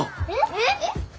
えっ！？